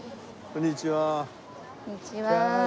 こんにちは。